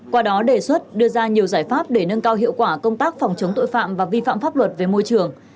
qua đó đề xuất đưa ra nhiều giải pháp để nâng cao hiệu quả công tác phòng chống tội phạm và vi phạm pháp luật về môi trường